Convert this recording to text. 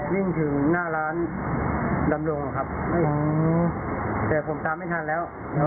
วิ่งถึงหน้าร้านดำรงครับแต่ผมตามไม่ทันแล้ว